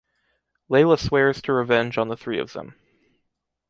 Leila swears to revenge on the three of them.